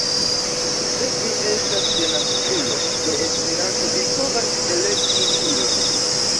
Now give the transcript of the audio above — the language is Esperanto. Se vi estas denaskulo de Esperanto vi povas elekti tion